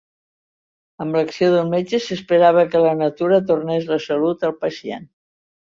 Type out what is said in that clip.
Amb l'acció del metge, s'esperava que la natura tornés la salut al pacient.